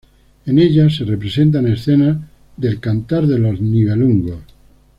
En ella se representan escenas del Cantar de los nibelungos.